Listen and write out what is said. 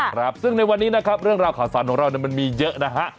ครับซึ่งในวันนี้นะครับเรื่องราวข่าวสารของเราเนี่ยมันมีเยอะนะฮะ